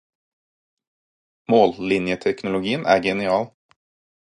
Mållinjeteknologien er genial.